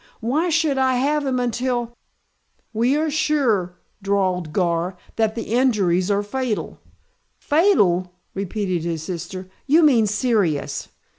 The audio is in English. "Why should I have him until " "We are sure," drawled Gar, "that the injuries are fatal." "Fatal?" repeated his sister. "You mean serious."